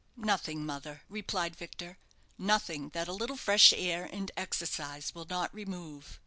"Nothing, mother," replied Victor; "nothing that a little fresh air and exercise will not remove.